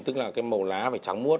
tức là cái màu lá phải trắng muốt